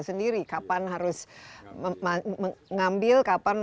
sendiri kapan harus mengambil kapan